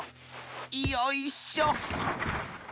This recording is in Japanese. よいしょ！